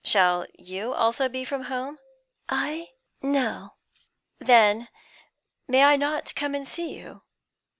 "Shall you also be from home?" "I? No." "Then may I not come and see you?